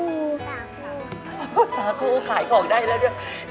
สาคูสาคูขายของได้แล้วด้วย